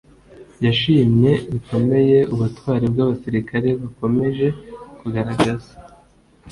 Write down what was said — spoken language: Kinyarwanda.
yashimye bikomeye ubutwari bw’abasirikare bakomeje kugaragaza